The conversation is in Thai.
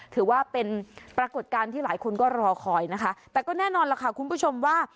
ถือว่าเป็นปรากฏการณ์ที่หลายคนก็รอคอยนะคะแต่ก็แน่นอนล่ะค่ะคุณผู้ชมว่า